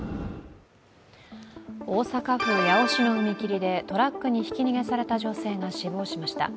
大阪府八尾市の踏切でトラックにひき逃げされた女性が死亡しました。